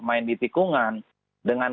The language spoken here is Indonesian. main di tikungan dengan